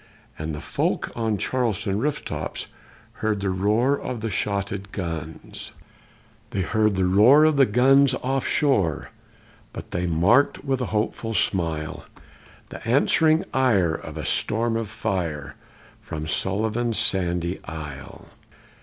And the folk on the Charleston roof tops heard the roar of the shotted guns; They heard the roar of the guns off shore, but they marked, with a hopeful smile, The answering ire of a storm of fire from Sullivan's sandy isle.